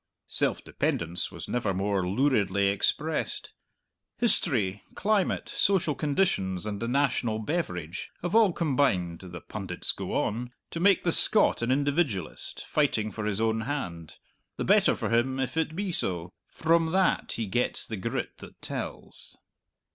Self dependence was never more luridly expressed. History, climate, social conditions, and the national beverage have all combined (the pundits go on) to make the Scot an individualist, fighting for his own hand. The better for him if it be so; from that he gets the grit that tells.